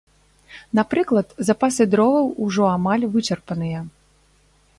Напрыклад, запасы дроваў ужо амаль вычарпаныя.